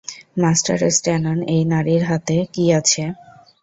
Master Stanton, এই নারীর হাতে কী আছে?